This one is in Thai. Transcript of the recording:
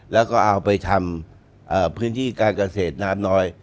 แล้วก็เอาไปทำพื้นที่การเกษตรน้ำน้อย